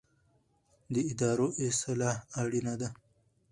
د ادارو اصلاح اړینه ده